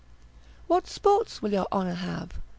What sport will your honour have?